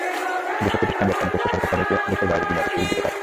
যেসব প্রতিষ্ঠান রপ্তানি করছে, সরকার তাদের দেশের বাইরে বিনিয়োগের সুযোগ দিতে পারে।